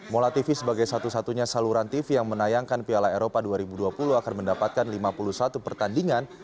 mola tv sebagai satu satunya saluran tv yang menayangkan piala eropa dua ribu dua puluh akan mendapatkan lima puluh satu pertandingan